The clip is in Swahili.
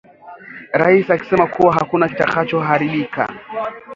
Rais alisema kuwa hakuna kitakacho haribika